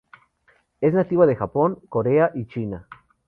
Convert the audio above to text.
Es nativa de Japón, Corea y China.